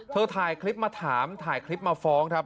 ถ่ายคลิปมาถามถ่ายคลิปมาฟ้องครับ